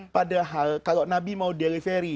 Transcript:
padahal kalau nabi mau delivery